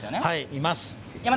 います。